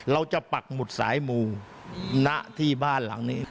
ปักหมุดสายหมู่ณที่บ้านหลังนี้